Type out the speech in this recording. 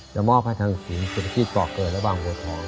จะมอบให้ทางสูงเฉพาะที่เกาะเกิดระบามบัวทอง